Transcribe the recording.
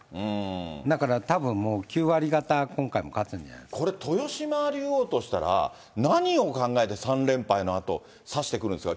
だからたぶん、もう９割方、今回これ、豊島竜王としたら、何を考えて、３連敗のあと、指してくるんですか。